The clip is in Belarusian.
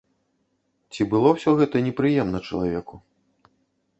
Ці было ўсё гэта непрыемна чалавеку?